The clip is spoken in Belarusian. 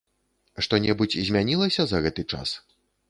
Што-небудзь змянілася за гэты час?